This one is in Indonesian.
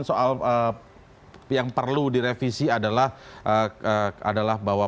soal yang perlu direvisi adalah bahwa